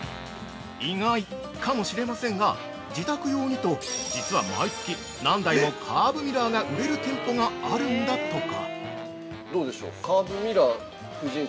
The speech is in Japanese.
◆意外かもしれませんが自宅用にと実は毎月、何台もカーブミラーが売れる店舗があるんだとか。